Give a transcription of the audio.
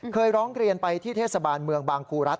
เคยร้องเกลียนไปที่เทสาบาลเมืองบังคูรัฐ